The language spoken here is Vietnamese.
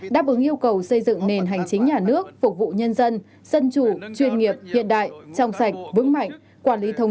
đáp ứng yêu cầu xây dựng nền hành chính nhà nước phục vụ nhân dân dân chủ chuyên nghiệp hiện đại trong sạch vững mạnh